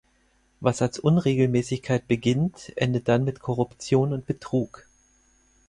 Was als Unregelmäßigkeit beginnt, endet dann mit Korruption und Betrug.